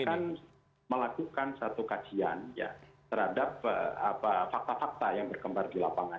kita akan melakukan satu kajian terhadap fakta fakta yang berkembang di lapangan